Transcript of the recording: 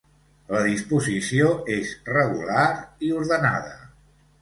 La disposició és regular i ordenada.